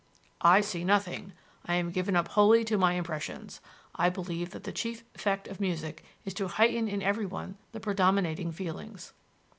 "I see nothing: I am given up wholly to my impressions. I believe that the chief effect of music is to heighten in everyone the predominating feelings."